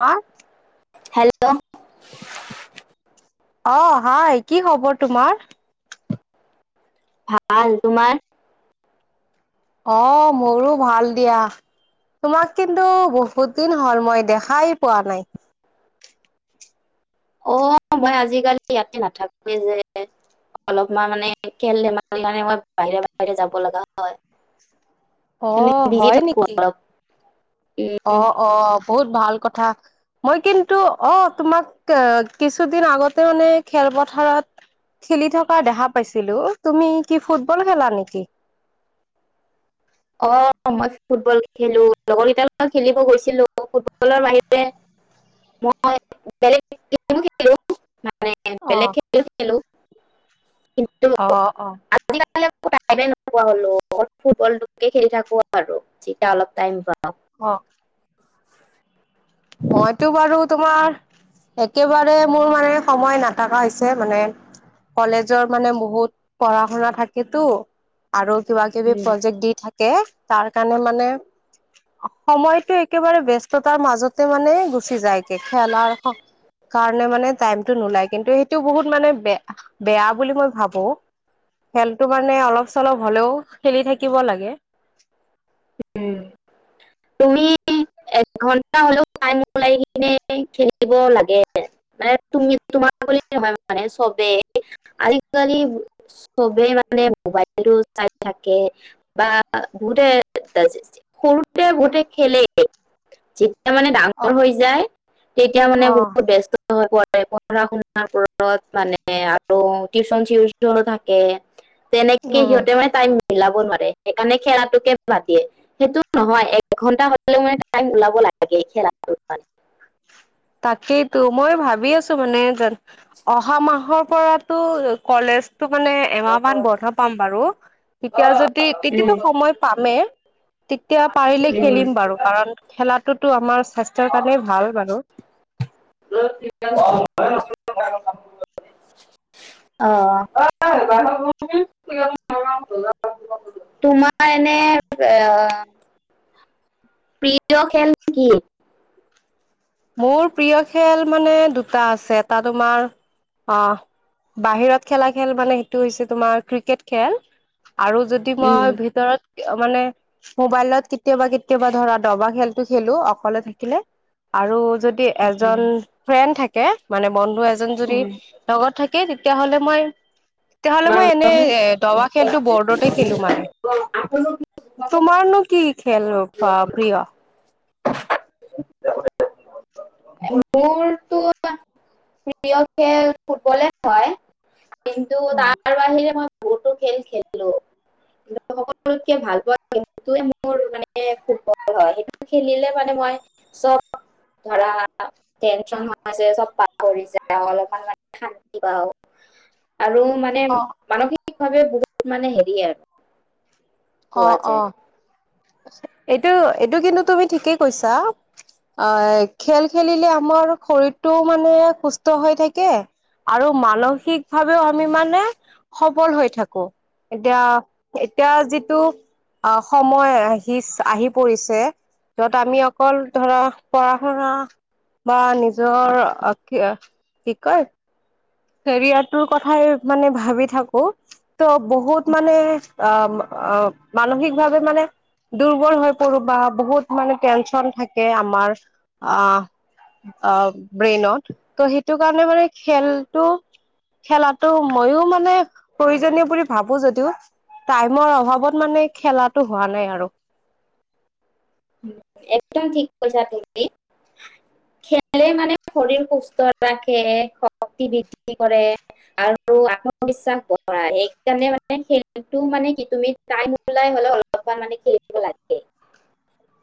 হ হেল্ল' অ হাই কি খবৰ তোমাৰ ভাল তোমাৰ অহ মোৰো ভাল দিয়া তোমাক কিন্তু বহুত দিন হল মই দেখাই পোৱা নাই অ মই আজিকালি ইয়াতে নাথাকোৱেই যে অলপমান মানে খেল ধেমালিৰ কাৰণে মই বাহিৰে বাহিৰে যাব লগা হয় অ মানে বিজি হয় থাকো নেকি অলপ উম অ অ বহুত ভাল ক থা মই কিন্তু অ তোমাক কিছুদিন আগতে মানে খেলপথাৰত খেলি থকা দেখা পাইছিলো তুমি কি ফুটবল খেলা নেকি অহ মই ফুটবল খেলো লগৰ কেইটাৰ লগত খেলিব গৈছিলো ফুটবলৰ বাহিৰে মই বেলেগ গেমো খেলো মানে অ' বেলেগ খেল খেলো কিন্তু অ অ আজিকালি টাইমে নোপোৱা হলো অ ফুটবলটোকে খেলি থাকো আৰু যেতিয়া অলপ টাইম পা অৱ মইতো বাৰু তোমাৰ একেবাৰে মোৰ মানে সময় নাথাকা হৈছে মানে কলেজৰ মানে বহুত পঢ়া শুনা থাকেতো। আৰু কিবা কিবি উম, প্ৰজেক্ট দি থাকে। তাৰ কাৰণে মানে, সময়তটো একেবাৰে ব্যস্ততাৰ মাজত তে মানে গুচি যায় কে খেলা কাৰণে মানে টাইমতটো নোলাই কিন্তু সেইটো বহুত মানে বে বেয়া বুলি মই ভাবো। খেলটো মানে অলপ চলপ হলেও খেলি থাকিব লাগে। [unintelligible] তুমি এঘন্টা হলেও টাইম ওলাই কিনে খেলিব লাগে। মানে তুমি তোমাৰ বুলি ন মানে চবেই আজিকালি চবেই মানে মোৱাইলো চাই থাকে বা বহুতে [unintelligible] সৰুতে বহুতে খেলে [unintelligible] য়া মানে অ ডাঙৰ হৈ যায়, তেতিয়া মানে অ বহুত ব্যস্ত [unintelligible] পঢ়া শুনা বোৰত মানে আৰু টিউচন চিউো থাকে। তেনেকে উম সিহঁতে মানে টাইম মিলাব নোৱাৰে, সেইকাৰণে খেৰাটোকে বাদ দিয়ে। সেইটো নহয় এঘন্টা হলে মানে টাইম ওলাব লাগে খেলাটো কাৰে তাকেইতো মই ভাবি আছো মানে যে অহা মাহৰ পৰাতো কলেজতো মানে এমাহমান বন্ধ পাম বাৰু, তেতিয়া যদি তেতিয়ো সময় পামেই তেতিয়া পাৰিলে খেলিম বাৰু কাৰণ খেলাত টো আমাৰ স্বাস্থ্যৰ কাৰণে ভাল বাৰু [unintelligible] অৱ, তোমাৰ এনেই আহ প্ৰিয় খেল নে কি? মোৰ প্ৰিয় খেল মানে দুটা আছে। এটা তোমাৰ অ, বাহিৰত খেলা, খেল মানে সেইটো হৈছে তোমাৰ ক্ৰিকেট খেল। আৰু যদি উম, মই ভিতৰত? মানে মোৱাইলত কেতিয়াবা, কেতিয়াবা ধৰা দবা খেলটো খেলো অকলে থাকিলে। আৰু যদি এজন ফ্ৰেণ্ড থাকে। তাকে [unintelligible] মানে বন্ধু এজন যদি লগত থাকি তাকে তেতিয়া হ'লে মই তেতিয়াহ'লে মই উম। এনে-এ, দবা খেলতটো বৰ্ডতে খেলো মানে, তোমাৰনো কি খেল মোৰতো প্ৰিয়? মোৰতো। প্ৰিয় খেল ফুটবল। কিন্তু তাৰ বাহৰে মই বহুতো খেল খেলো। সকলোতকে ভাল পোৱাটোৱে মোৰ মানে ফুটবল হয়। খেলিলে মানে মই চব ধৰা টেনন হৈ আছে চব পাহৰি যাওঁ, অলপমান শান্তি পাওঁ। আৰু মানে অ', মানসিক সিকভাৱে বহুত মানে হেৰি আৰু। [inaudible] অ', পোৱা অ'। যায় এইটো, এইটো কিন্তু তুমি ঠিকেই কৈছা, আহ, খেল খেলিলে আমাৰ শৰীৰটোও মানে সুস্থ হৈ থাকে আৰু মানসিক ভাৱেও আমি মানে সবল হৈ থাকো, এতিয়া এতিয়া যিটো সময়ে আহিচ-আহি পৰিছে, য'ত আমি অকল ধৰা পঢ়া শুনা বা নিজৰ কি কি কয় কেৰিয়াৰটোৰ কথাই মানে ভাবি থাকো। ত, বহুত মানে অ'। অ', মানসিকভাৱে মানে দুৰ্বল হৈ পৰোঁ, বা বহুত মানে টেনচন থাকে আমাৰ, আহ অ', ব্ৰেইনত ত সেইটো কাৰণে মানে খেল টো খেলাটো ময়ো মানে প্ৰয়োজনীয় বুলি ভাবো যদিওঁ টাইমৰ অভাৱত মানে খেলাটো হোৱা নাই আৰু। একদম ঠিক কৈছা তুমি খেলে মানে শৰীৰ সুস্থ ৰাখে, শক্তি বৃদ্ধি কৰে, আৰু আত্মবিশ্বাস বঢ়ায়, সেইকাৰণে মানে খেলটো মানে কি তুমি টাইম ওলাই হ'লে অলপমান মানে খেলিব লাগে।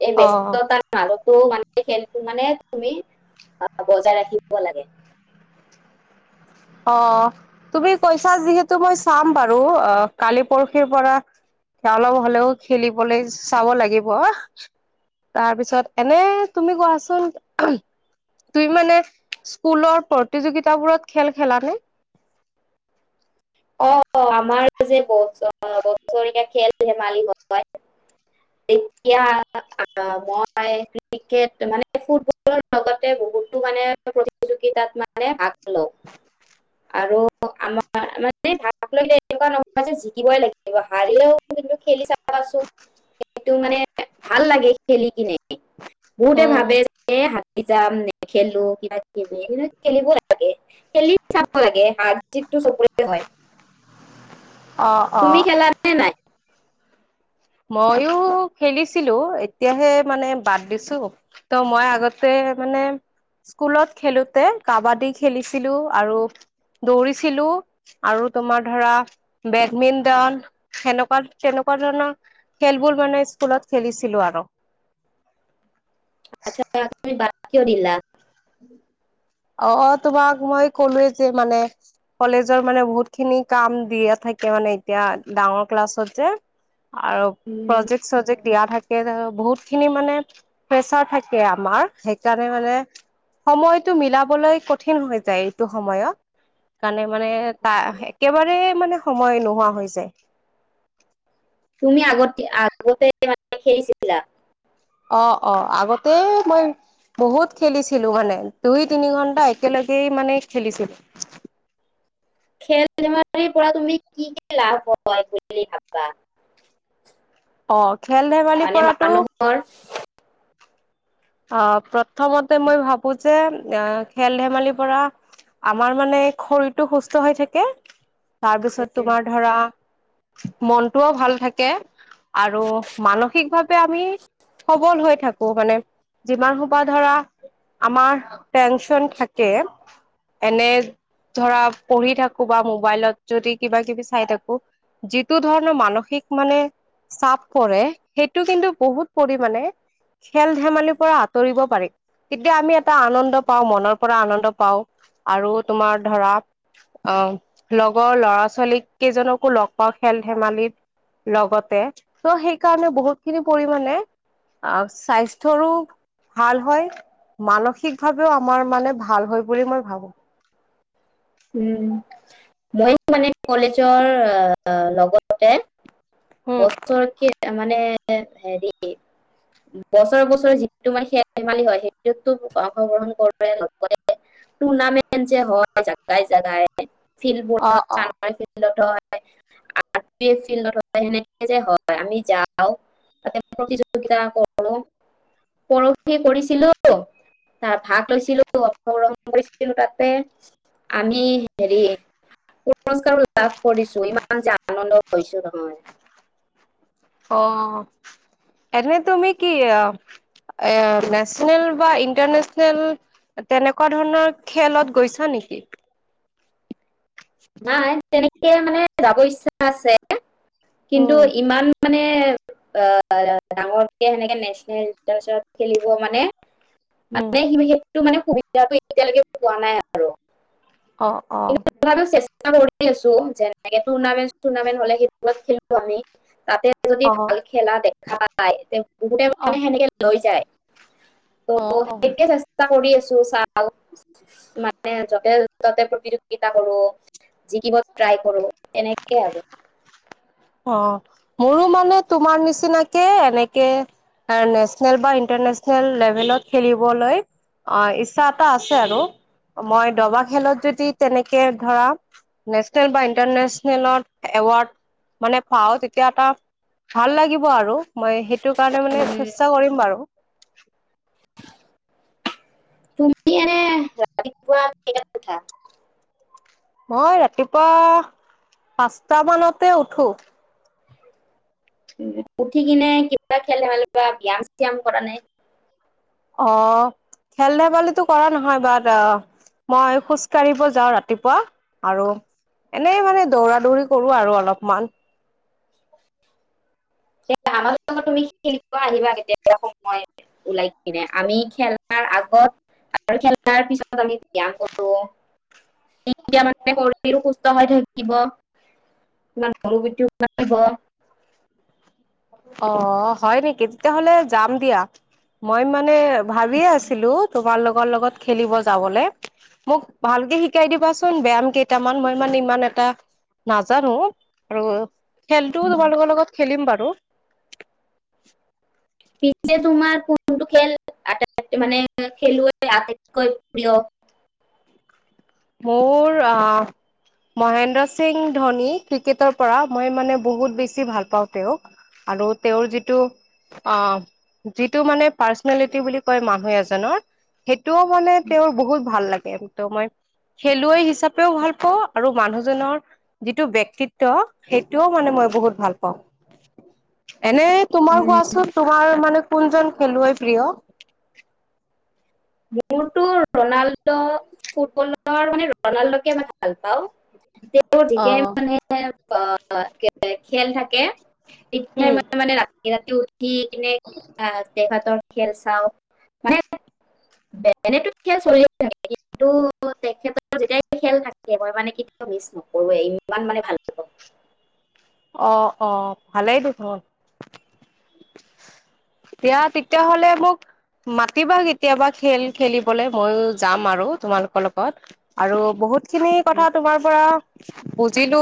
এই অ ব্যস্ততা মাজত ত' মানে খেলটো মানে তুমি আহ, বজাই ৰাখিব লাগে। অ', তুমি কৈছা যিহেতু মই চাম বাৰু অ', কালি পৰশিৰ পৰা অলপ হ'লেও খেলিবলৈ চাব লাগিব, তাৰপিছত এনে তুমি কোৱাচোন তুমি মানে স্কুলৰ প্ৰতিযোগিতাবোৰত খেল খেলা নে? অ', আমাৰ যে বত চ বছৰীয়া খেল ধেমালি তেতিয়া আহ, মই ক্ৰিকেট মানে ফুটবলৰ লগতে বহুতো মানে প্ৰতিযোগিতাত মানে হেল্ল'। আৰু আমাৰ ভাত লাগে এনেকুৱা নহয় যে জিকিবই লাগ হাৰিলেও কিন্তু খেলি চাবাচোন সেইটো মানে ভাল লাগে খেলি। ইনে বহুতে উম ভাবে যে যাম নেখেলো কিবা কিবি কিন্তু খেলিব লাগে। খেলি চাব লাগে হা জিতটো চবৰে হয়। অ তুমি অ খেলা নে নাই? ময়ো খেলিছিলো এতিয়াহে মানে বাদ দিছো ত' মই আগতে মানে স্কুলত খেলোতে কাবাডী খেলিছিলো আৰু দৌৰিছিলো আৰু তোমাৰ ধৰা বেডমিণ্টন সেনেকুৱাত তেনেকুৱা খেলবোৰ মানে স্কুলত খেলিছিলো আৰু। তুমি বাদ কিয় দিলা? অ তোমাক মই কলোয়ে যে মানে, কলেজৰ মানে বহুত খিনি কাম দিয়া থাকে মানে এতিয়া, ডাঙৰ ক্লাছত যে আৰু উম, প্ৰজেক্ট চজেক্ট দিয়া থাকে বহুত খিনি মানে প্ৰেচাৰ থাকে আমাৰ সেইকাৰণে মানে সময়তটো মিলাবলৈ কঠিন হৈ যায় এইটো সময়ত। কাৰণে মানে তা একেবাৰে মানে সময় নো হোৱা হৈ যায়। তুমি আগতি আগতে মানে খেলিছিলা? অ অ আগতে মই বহুত খেলিছিলো মানে, দুই তিনি ঘন্টা একেলগেই মানে খেলিছিলো। খেল ধেমালিৰ পৰা তুমি কি কি লাভ হয় বুলি ভাবা? অ। খেল ধেমালি মানে পৰাতো মানুহৰ অহ প্ৰথমতে মই ভাবো যে এ খেল ধেমালিৰ পৰা আমাৰ মানে শৰীৰটো সুস্থ হৈ থাকে তাৰ পিছত তোমাৰ ধৰা মনটোও ভাল থাকে আৰু মানসিকভাৱে আমি সবল হৈ থাকো মানে যিমান সোপাহ ধৰা আমাৰ টেনচন থাকে, এনে ধৰা পঢ়ি থাকো বা মোবাইলত যদি কিবা কিবি চাই থাকো, যিটো ধৰণৰ মানসিক মানে চাপ পৰে সেইটো কিন্তু বহুত পৰিামানে খেল ধেমালি পৰা আঁতৰিব পাৰি, তেতিয়া আমি এটা আনন্দ পাওঁ মনৰ পৰা আনন্দ পাওঁ আৰু তোমাৰ ধৰা আহ লগৰ লৰা ছোৱালীক কেইজনকো লগ পাওঁ খেল ধেমালিত। লগতে ত' সেইকাৰণে বহুত খিনি পৰিমণে আহ স্বাস্থ্যৰো ভাল হয় মানসিক ভাৱেও আমাৰ মানে ভাল হয় বুলি মই ভাবো। উম মই মানে কলেজৰ এ লগতে বছৰেকীয়া তাৰমানে হেৰি, বছৰে বছৰে যিটো মানে খেল ধেমালি হয় সেইটোতো অংশগ্ৰহণ কৰোৱে লগতে টুৰ্ণামেন্ট যে হয় তাই জাগায়ে ফিল্ বোৰত অ' চ অ' [unintelligible] ফিল্ডত [unintelligible] ফিল সেনেকে যে হয় আমি যাও তাতে প্ৰতিযোগিতা কৰো পৰখি কৰিছিলো তাৰ ভাগ লৈছিলো অ কৰিছিলো তাতে। আমি হেৰি পুৰস্কাৰো লাভ কৰিছো ইমান যে আনন্দ হৈছো ন। অ এনে তুমি কি এ নেশচনেল বা ইণ্টাৰনেচনেল তেনেকুৱা ধৰণৰ খেলত গৈছা নেকি? নাই। তেনেকে মানে যাব ইচ্ছা আছে। কিন্তু উম, ইমান মানে এ অ অ ডাঙৰকে সেনেকে নেচনেল খেলিব মানে উম, মানে সেইটো মানে সুবিধাটো এতিয়ালৈকে পোৱা নাই আৰু। অ অ কিন্তু তথাপিও [unintelligible] আছো যেনেকে টুৰ্ণামেন্ট চুৰনামেন্ট হলে সেইবোৰত খেলো আমি, তাতে যদি অ' ভাল খেলা দেখা পায় বহুতে অ' মানে সেনেকে লৈ যায়। ত অ'। অ হেইটোৱে চেষ্টা কৰি আছোঁ। [unintelligible] চা মানে যতে ততে প্ৰতিযোগিতা কৰো। জিকিব ট্ৰাই কৰো এনেকে আৰু। অ' মোৰো মানে তোমাৰ নিচিনাকে এনেকে নেচনেল বা ইণ্টাৰনেচনেল লেভেলত খেলিবলৈ ইচ্ছা এটা আছে আৰু মই দবা খেলত যদি তেনেকে ধৰা নেচনেল বা ইণ্টাৰনেচনেলত এৱাৰ্ড মানে পাও তেতিয়া এটা ভাল লাগিব আৰু মই সেইটো কাৰণে মানে উম, চেষ্টা কৰিম বাৰু। তুমি এনে ৰাতিপুৱা কেইটাত উঠা? মই ৰাতিপুৱা পাঁচটা মানতে উঠো। উঠি কিনে কিবা খেল ধেমালি বা ব্যায়াম চ্যাম কৰা নে? অহ খেল ধেমালি তো কৰা নহয় বাট অহ মই খোজ কাঢ়িব যাওঁ ৰাতিপুৱা আৰু এনেই মানে দৌৰা-দৌৰি কৰো আৰু অলপমান। তে আমাৰ [inaudible] তুমি খেলিব আহিবা কেতিয়া সময় ওলাই কিনে আমি খেলাৰ আগত আৰু খেলাৰ পিছত আমি ব্যাম কৰো তেতিয়া মানে শৰীৰো সুস্থ হৈ থাকিব ইমান [unintelligible] অ' হয় নেকি তেতিয়াহলে যাম দিয়া মই মানে ভাবিয়ে আছিলো তোমাৰ লগৰ লগত খেলিব যাবলে, মোক ভালকে শিকাই দিবাচোন ব্যায়াম কেইটামান মই মানে ইমান এটা নাজানো আৰু খেলটোও তোমালোকৰ লগত খেলিম বাৰু। পিছে তোমাৰ কোনটো খেল আটাইতকৈ মানে খেলুৱৈ আটাইতকৈ প্ৰিয়? মোৰ অহ মহেন্দ্ৰ সিং ধোনী ক্ৰিকেটৰ পৰা মই মানে বহুত বেছি ভাল পাওঁ তেওঁক আৰু তেওঁৰ যিটো অহ যিটো মানে পাৰ্চনেলিটি বুলি কয় মানুহ এজনৰ সেই টো মানে তেওঁৰ বহুত ভাল লাগে। [unintelligible] খেলুৱৈ হিচাপেও ভাল পাওঁ আৰু মানুহজনৰ যিটো ব্যক্তিত্ব সেইটোও মানে মই বহুত ভাল পাওঁ। এনে তোমাৰ উম, কোৱাচোন তোমাৰ মানে কোনজন খেলুৱৈ প্ৰিয়? মোৰটো ৰনাল্ডো ফুটবলৰ মান ৰনাল্ডো কে মই ভাল পাওঁ। তেওঁ যেতিয়াই অ'। মানে অ' খেল থাকে। [unintelligible] মানে উম, মানে ৰাতি ৰাতি [unintelligible] [unintelligible] খেল চাওঁ, মানে এনেতো খেল চলিয়েই থাকে, কিন্তু তেখেতৰ যেতিয়া খেল থাকে মই মানে কেতিয়াও মিছ নকৰোৱে ইমান মানে ভাল পাওঁ। অ' অ' ভালেই দেখোন! এতিয়া তেতিয়াহলে মোক মাতিবা কেতিয়াবা খেল খেলিবলে ময়ো যাম আৰু। তোমালোকৰ লগত আৰু বহুত খিনি কথা তোমাৰ পৰা বুজিলো।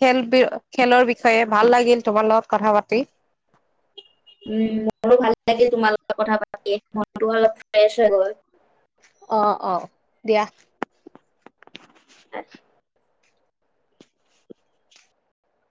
[unintelligible] খেলৰ বিষয়ে ভাল লাগিল। তোমাৰ লগত কথা পাতি। উম, মোৰো ভাল লাগিল তোমাৰ লগত কথা পাতি। [unintelligible] মনটো অলপ ফ্ৰেছ হৈ গল। অ' অ' দিয়া। [unintelligible]